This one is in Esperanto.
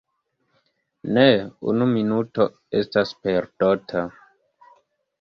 Ne unu minuto estas perdota.